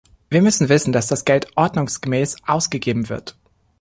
Wir müssen wissen, dass das Geld ordnungsgemäß ausgegeben wird.